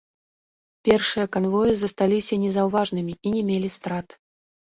Першыя канвоі засталіся незаўважанымі і не мелі страт.